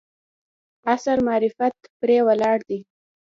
عصر معرفت پرې ولاړ دی.